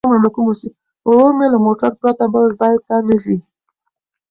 ورور مې له موټر پرته بل ځای ته نه ځي.